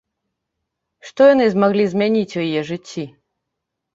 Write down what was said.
Што яны маглі змяніць у яе жыцці?